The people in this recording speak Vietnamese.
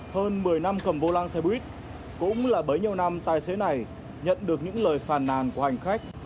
hơn một mươi năm cầm vô lăng xe buýt cũng là bấy nhiêu năm tài xế này nhận được những lời phàn nàn của hành khách